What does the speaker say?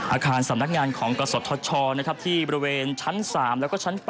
อาคารสำนักงานของกษทชที่บริเวณชั้น๓แล้วก็ชั้น๘